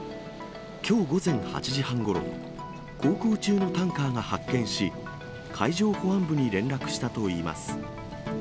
きょう午前８時半ごろ、航行中のタンカーが発見し、海上保安部に連絡したといいます。